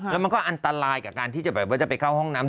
แล้วมันก็อันตรายกับการที่จะแบบว่าจะไปเข้าห้องน้ำ